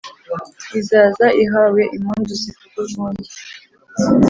izaza ihawe impundu zivuga urwunge.